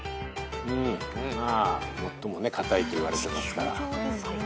最も硬いといわれてますから。